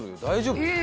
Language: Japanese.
大丈夫？